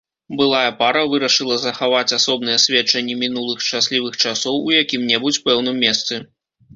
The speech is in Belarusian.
Былая пара вырашыла захаваць асобныя сведчанні мінулых шчаслівых часоў у якім-небудзь пэўным месцы.